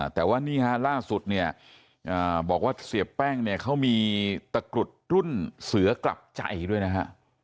แต่ว่านี่ฮะล่าสุดเนี่ยบอกว่าเสียแป้งเนี่ยเขามีตะกรุดรุ่นเสือกลับใจด้วยนะฮะ